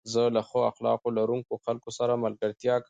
زه له ښو اخلاق لرونکو خلکو سره ملګرتيا کوم.